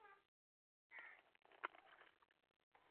Wengi wanaweza kupatwa na mshangao kuiona Gabon kwenye orodha hii